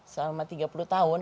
selama tiga puluh tahun